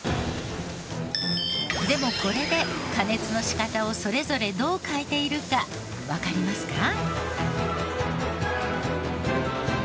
でもこれで加熱の仕方をそれぞれどう変えているかわかりますか？